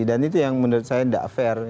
dan itu yang menurut saya tidak fair